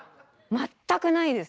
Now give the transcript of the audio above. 全くないです。